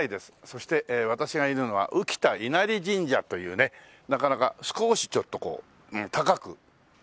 そして私がいるのは宇喜田稲荷神社というねなかなか少しちょっとこう高くなって。